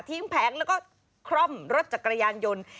แผงแล้วก็คล่อมรถจักรยานยนต์